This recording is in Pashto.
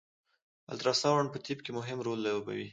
الټراساونډ په طب کی مهم رول لوبوي